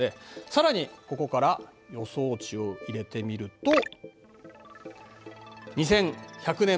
さらにここから予想値を入れてみると２１００年まで。